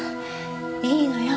いいのよ。